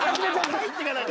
入ってかないと。